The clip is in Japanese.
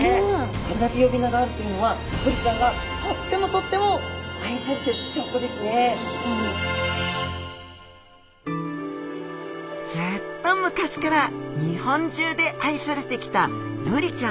これだけ呼び名があるというのはブリちゃんがとってもとってもずっと昔から日本中で愛されてきたブリちゃん。